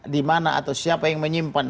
dimana atau siapa yang menyimpan